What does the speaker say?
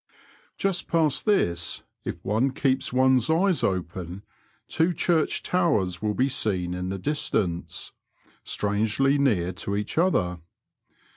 Just past this, if one keeps one's eyes open, two church tow^s will be seen in the distance, strangely near to each other.